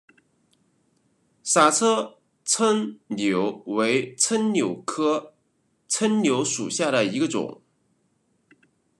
莎车柽柳为柽柳科柽柳属下的一个种。